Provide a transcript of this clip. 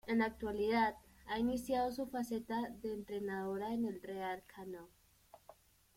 En la actualidad, ha iniciado su faceta de entrenadora en el Real Canoe.